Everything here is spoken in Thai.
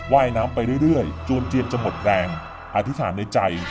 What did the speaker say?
ว่ายน้ำไปเรื่อยจวนเจียนจะหมดแรงอธิษฐานในใจ